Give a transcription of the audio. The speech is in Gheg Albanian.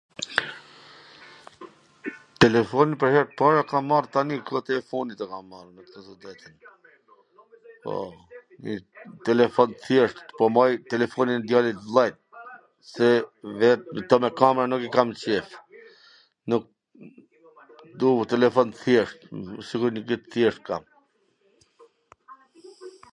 Telefon pwr her t par e kam marr tani kot e funit e kam marr, po, telefon tw thjesht, po maj telefonin e djalit t vwllait, se vet nuk kam nonj nuk i kam qef, nuk..., dua teklefon tw thjesht, sikund edhe kwt tw thjesht kam.